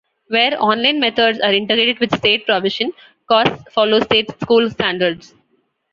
Where online methods are integrated with State provision, costs follow state school standards.